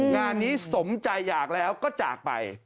งานนี้สมใจอยากแล้วก็จากไป